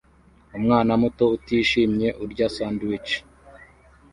Umwana muto utishimye urya sandwich